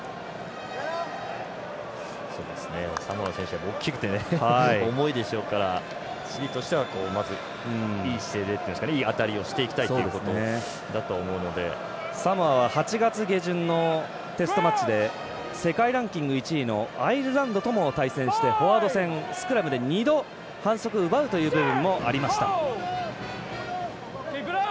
サモアの選手は大きくて重いでしょうからチリとしてはまずいい姿勢でというかいい当たりをしていきたいサモアは８月下旬のテストマッチで世界ランキング１位のアイルランドとも対戦して、フォワード戦スクラムで２度、反則を奪うという部分もありました。